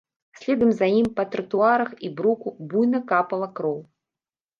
Следам за ім па тратуарах і бруку буйна капала кроў.